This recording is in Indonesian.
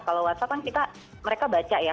kalau whatsapp kan kita mereka baca ya